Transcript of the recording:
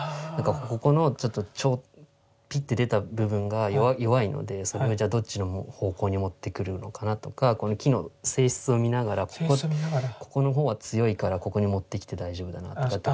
ここのピッて出た部分が弱いのでそれをじゃあどっちの方向に持ってくるのかなとかこの木の性質を見ながらここの方は強いからここに持ってきて大丈夫だなとかって。